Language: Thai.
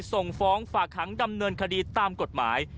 ส่งฟ้องฝากขังดำเนินคดีตามกฎหมาย